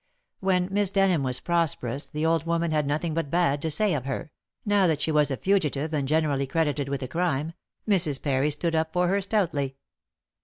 When Miss Denham was prosperous the old woman had nothing but bad to say of her, now that she was a fugitive and generally credited with a crime, Mrs. Parry stood up for her stoutly.